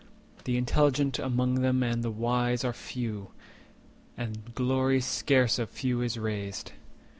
The intelligent among them and the wise Are few, and glory scarce of few is raised.